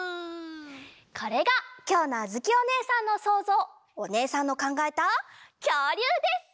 これがきょうのあづきおねえさんのそうぞうおねえさんのかんがえたきょうりゅうです。